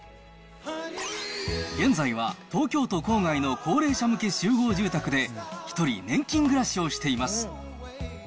現在は東京都郊外の高齢者向け集合住宅で、一人、年金暮らしをしています。